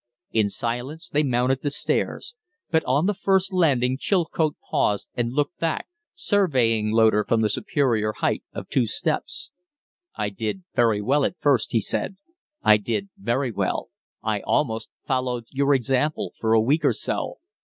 In silence they mounted the stairs, but on the first landing Chilcote paused and looked back, surveying Loder from the superior height of two steps. "I did very well at first," he said. "I did very well I almost followed your example, for a week or so.